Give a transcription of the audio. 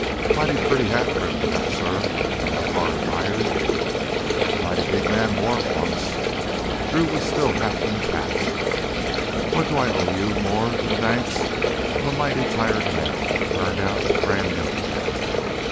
"Mighty pretty hat trimmin', that, suh," Hamilcar admired. "Mighty big man wore it once." Drew was still half in the past. "What do I owe you more'n the thanks of a mighty tired man you've turned out brand new again?"